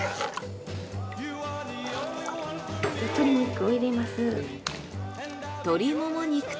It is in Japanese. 鶏肉を入れます。